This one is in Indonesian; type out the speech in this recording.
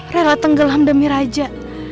rela tenggelam demi raja